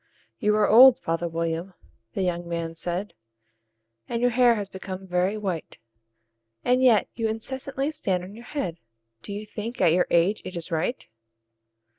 "YOU are old, father William," the young man said, "And your hair has become very white; And yet you incessantly stand on your head Do you think, at your age, it is right?